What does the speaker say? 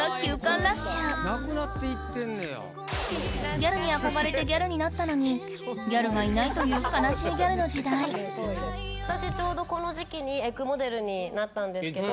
ギャルに憧れてギャルになったのにギャルがいないという悲しいギャルの時代私ちょうどこの時期にｅｇｇモデルになったんですけど。